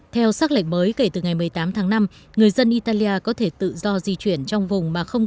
theo xác lệnh mới kể từ ngày một mươi tám tháng năm người dân italia có thể tự do di chuyển trong vùng mà không